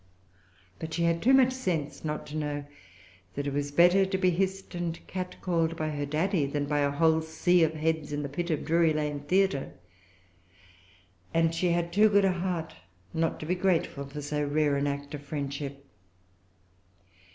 But she had too much sense not to know that it was better to be hissed and catcalled by her Daddy, than by a whole sea of heads in the pit of Drury Lane Theatre; and she had too good a heart not to be grateful for so rare an act of friendship.